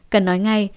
cần nói ngay